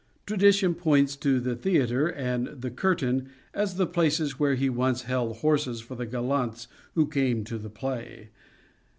Tradition points to "The Theatre " and " The Curtain " as the places where he once held horses for the gallants who came to the play.